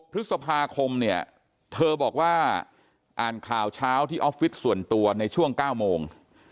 พฤษภาคมเนี่ยเธอบอกว่าอ่านข่าวเช้าที่ออฟฟิศส่วนตัวในช่วง๙โมง